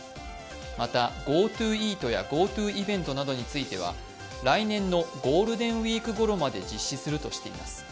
また、ＧｏＴｏイートやＧｏＴｏイベントなどについては来年のゴールデンウイークごろまで実施するとしています。